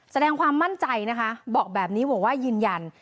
แสดงความมั่นใจนะคะบอกแบบนี้บอกว่ายืนยัน